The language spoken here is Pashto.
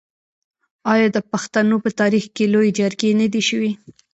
آیا د پښتنو په تاریخ کې لویې جرګې نه دي شوي؟